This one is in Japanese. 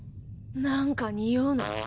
何かにおうな。